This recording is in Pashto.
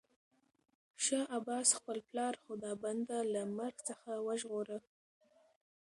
شاه عباس خپل پلار خدابنده له مرګ څخه وژغوره.